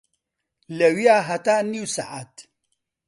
لەویا هەتا نیو سەعات